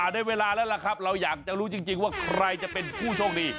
ได้เวลาแล้วล่ะครับเราอยากจะรู้จริงว่าใครจะเป็นผู้โชคดี